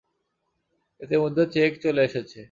ইতিমধ্যে চেক চলে এসেছে।